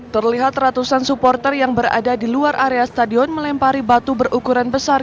terlihat ratusan supporter yang berada di luar area stadion melempari batu berukuran besar